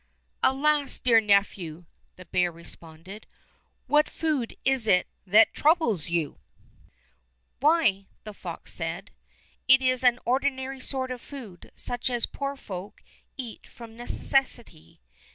"Alas! dear nephew," the bear responded, "what food is it that so troubles you.^^" 153 Fairy Tale Bears ''Why," the fox said, "it is an ordinary sort of food such as poor folk eat from neces sity.